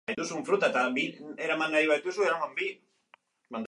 Haragia beste produktu batzuekin zuzeneko kontaktuan zegoen, inolako babesik gabe.